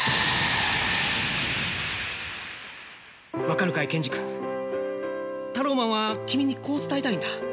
分かるかい健二君タローマンは君にこう伝えたいんだ。